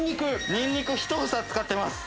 ニンニク１房使ってます。